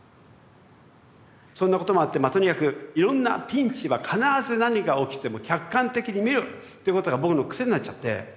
そんなこともあってとにかくいろんなピンチは必ず何が起きても客観的に見るということが僕の癖になっちゃって。